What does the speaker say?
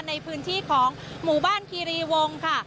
ในพื้นที่ของหมู่บ้านคีรีวงค่ะ